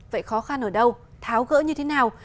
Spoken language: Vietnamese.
vậy khó khăn ở đâu tháo gỡ như thế nào